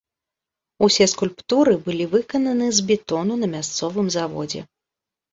Усе скульптуры былі выкананы з бетону на мясцовым заводзе.